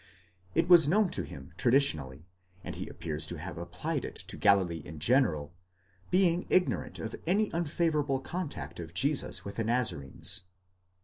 It was known to him traditionally, and he appears to have applied it to Galilee in general, being ignorant of any unfavourable contact of Jesus with the Nazarenes.